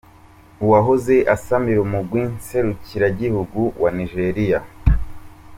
Uwahoze asamira umugwi nserukiragihugu wa Nigeria.